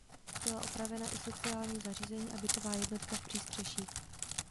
Byla opravena i sociální zařízení a bytová jednotka v přístřeší.